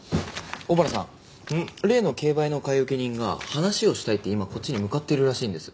小原さん例の競売の買受人が話をしたいって今こっちに向かっているらしいんです。